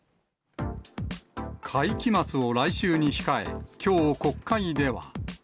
会期末を来週に控え、きょう、国会では。